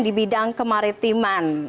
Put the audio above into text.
di bidang kemaritiman